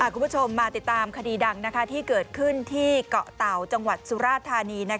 คุณผู้ชมมาติดตามคดีดังที่เกิดขึ้นที่เกาะเต่าจังหวัดสุราธานี